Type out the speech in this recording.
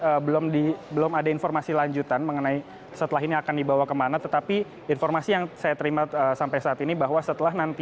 ini belum ada informasi lanjutan mengenai setelah ini akan dibawa kemana tetapi informasi yang saya terima sampai saat ini bahwa setelah nanti